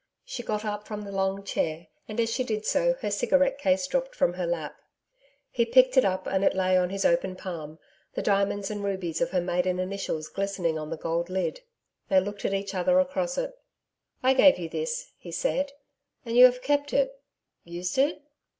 She got up from the long chair, and as she did so her cigarette case dropped from her lap. He picked it up and it lay on his open palm, the diamonds and rubies of her maiden initials glistening on the gold lid. They looked at each other across it. 'I gave you this,' he said, 'and you have kept it used it?'